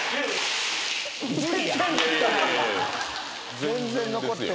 全然残ってるやん」